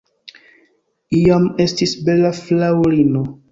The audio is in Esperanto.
Iam estis bela fraŭlino.